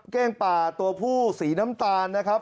เก้งป่าตัวผู้สีน้ำตาลนะครับ